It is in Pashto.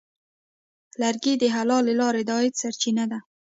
لرګی د حلالې لارې د عاید سرچینه ده.